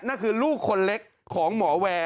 นั่นคือลูกคนเล็กของหมอแวร์